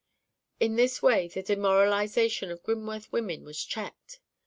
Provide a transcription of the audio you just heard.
In this way the demoralization of Grimworth women was checked.